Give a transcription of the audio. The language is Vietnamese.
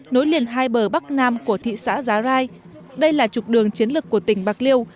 nối liền hai bờ bắc nam của thị xã giá rai đây là trục đường chiến lược của tỉnh bạc liêu